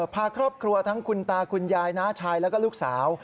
พาครอบครัวทั้งคุณตาคุณยายน้าชายแล้วก็ลูกสาว